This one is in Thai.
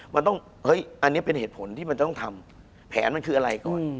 มันต้องเฮ้ยอันนี้เป็นเหตุผลที่มันต้องทำแผนมันคืออะไรก่อน